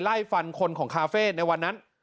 ไล่ฟันคนของคาเฟ่ในวันนั้น